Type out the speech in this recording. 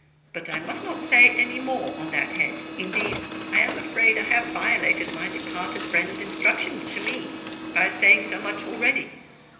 But I must not say any more on that head: indeed, I am afraid I have violated my departed friend's instructions to me by saying so much already.